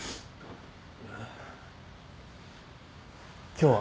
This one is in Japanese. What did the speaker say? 今日は？